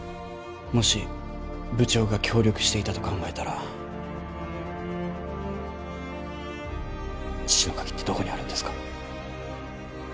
もし部長が協力していたと考えたら父の鍵ってどこにあるんですか？